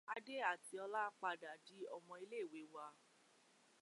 Adé àti Ọlá padà di ọmọ ilé ìwé wa.